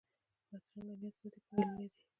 بدرنګه نیت بدې پایلې لري